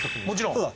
もちろん。